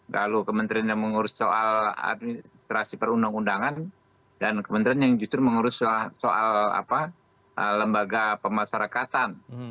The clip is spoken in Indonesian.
lalu kementerian yang mengurus soal administrasi perundang undangan dan kementerian yang justru mengurus soal lembaga pemasarakatan